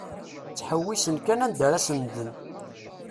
Ttḥewwisen kan anda ara senden.